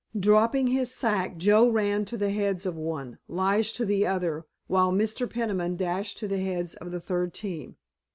Dropping his sack Joe ran to the heads of one, Lige to the other, while Mr. Peniman dashed to the heads of the third team.